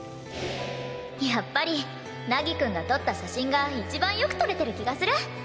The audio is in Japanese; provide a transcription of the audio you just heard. やっぱり凪くんが撮った写真が一番よく撮れてる気がする！